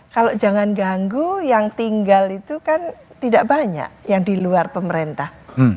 kalau jangan ganggu yang tinggal itu kan tidak banyak yang di luar pemerintah